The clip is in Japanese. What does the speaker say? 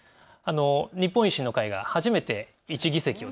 日本維新の会が初めて１議席を